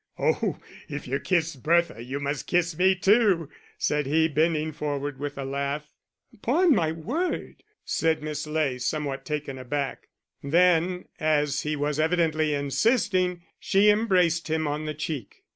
"Oh, if you kiss Bertha, you must kiss me too," said he, bending forward with a laugh. "Upon my word!" said Miss Ley, somewhat taken aback; then as he was evidently insisting she embraced him on the cheek.